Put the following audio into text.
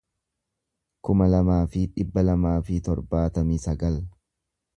kuma lamaa fi dhibba lamaa fi torbaatamii sagal